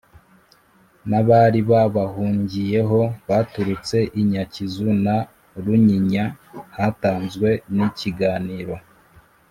n abari babahungiyeho baturutse i Nyakizu na Runyinya Hatanzwe n ikiganiro